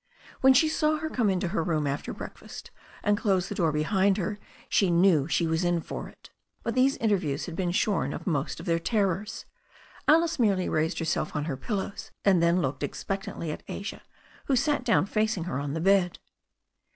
When she saw her come into her room after break fast and close the door behind her she knew she was in for it. But these interviews had been shorn of most of their terrors. Alice merely raised herself on her pillows, and then looked expectantly at Asia, who sat down facing her on the bed.